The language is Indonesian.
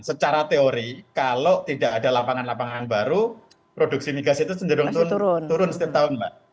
secara teori kalau tidak ada lapangan lapangan baru produksi migas itu cenderung turun setiap tahun mbak